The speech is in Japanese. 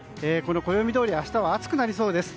この暦どおり明日は暑くなりそうです。